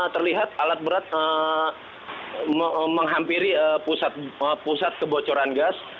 terlihat alat berat menghampiri pusat kebocoran gas